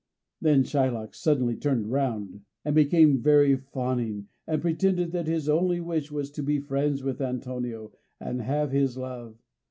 Then Shylock suddenly turned round, and became very fawning, and pretended that his only wish was to be friends with Antonio and have his love.